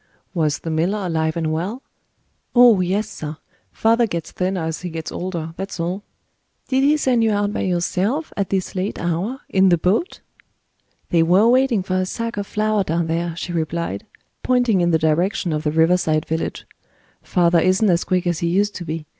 Was the miller alive and well? "Oh yes, sir. Father gets thinner as he gets older that's all." "Did he send you out by yourself, at this late hour, in the boat?" "They were waiting for a sack of flour down there," she replied, pointing in the direction of the river side village. "Father isn't as quick as he used to be.